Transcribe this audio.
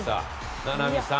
名波さん